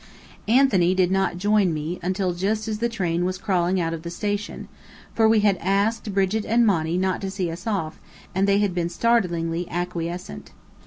Anthony did not join me until just as the train was crawling out of the station, for we had asked Brigit and Monny not to see us off, and they had been startlingly acquiescent.